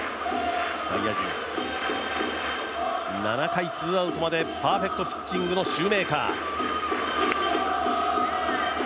７回ツーアウトまでパーフェクトピッチングのシューメーカー。